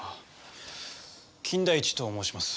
金田一と申します。